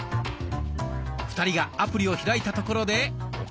２人がアプリを開いたところで岡嶋さん。